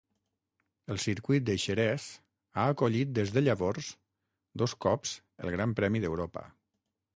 El circuit de Xerès ha acollit des de llavors dos cops el Gran Premi d'Europa.